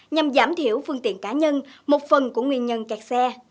nhằm giảm thiểu phương tiện cá nhân một phần của nguyên nhân kẹt xe